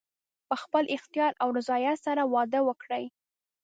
په خپل اختیار او رضایت سره واده وکړي.